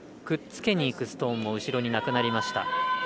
くっつけにいくストーンも後ろになくなりました。